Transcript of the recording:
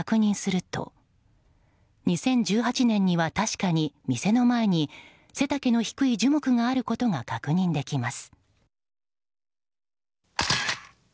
ストリートビューでも確認すると２０１８年には確かに店の前に背丈の低い樹木があることが確認できます。